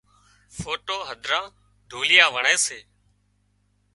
ڦوئو هڌرا ڍوليئا وڻي سي